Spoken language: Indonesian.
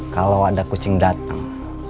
kalau ada kucing datang